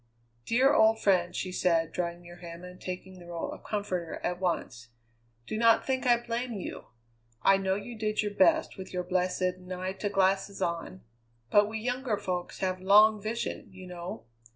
"Dear old friend," she said, drawing near him and taking the rôle of comforter at once. "Do not think I blame you. I know you did your best with your blessed, nigh to glasses on, but we younger folks have long vision, you know.